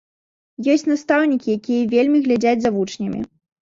Ёсць настаўнікі, якія вельмі глядзяць за вучнямі.